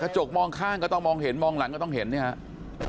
จกมองข้างก็ต้องมองเห็นมองหลังก็ต้องเห็นเนี่ยครับ